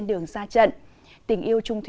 tiếng anh ấm như hơi thở